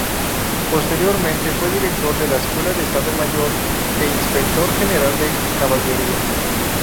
Posteriormente fue director de la Escuela de Estado Mayor e Inspector General de Caballería.